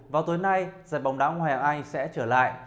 vào tối nay giải bóng đá hoa hải anh sẽ trở lại